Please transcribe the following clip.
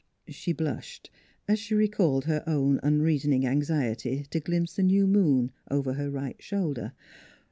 She blushed, as she recalled her own unreason ing anxiety to glimpse the new moon over her right shoulder.